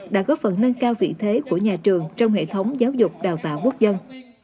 đã góp phần nâng cao vị thế của nhà trường trong hệ thống giáo dục đào tạo quốc dân